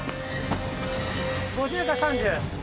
５０か３０。